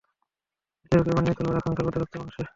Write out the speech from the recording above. দেহকে বানিয়ে তোলবার আকাঙক্ষা ওদের রক্তে মাংসে।